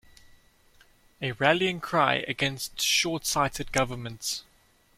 A rallying cry against shortsighted governments.